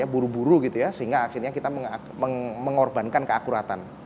buru buru sehingga akhirnya kita mengorbankan keakuratan